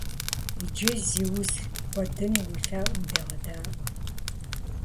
Иджы, зи уз кӀуэдын, уи лъэӀум дегъэдаӀуэ.